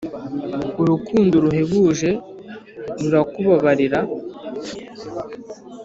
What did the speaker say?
Urukundo ruhebuje rurakubabarira